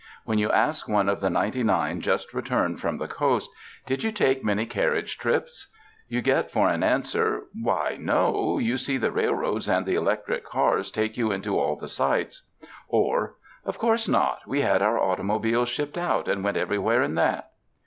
When you ask one of the ninety nine just returned from the Coast, ''Did you take many carriage trips!" You get for an answer, "Why, no; you see the rail roads and the electric cars take you into all the sights;" or "Of course not, we had our automobile shipped out and went everywhere in that."